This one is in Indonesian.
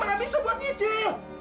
kamu gak bisa buat nyicil